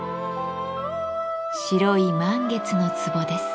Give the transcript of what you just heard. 白い満月の壺です。